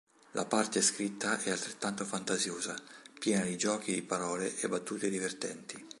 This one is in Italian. La parte scritta è altrettanto fantasiosa, piena di giochi di parole e battute divertenti.